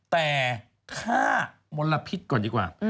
แต่ค่ามลพิษก่อนดีกว่า